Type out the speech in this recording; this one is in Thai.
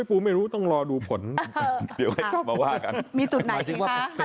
กูไม่รู้ต้องรอดูผลเดี๋ยวให้ถอดมาว่ากัน